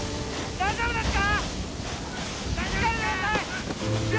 大丈夫ですか？